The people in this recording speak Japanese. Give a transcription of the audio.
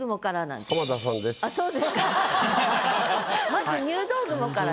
まず「入道雲」から。